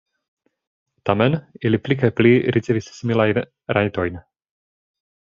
Tamen ili pli kaj pli ricevis similajn rajtojn.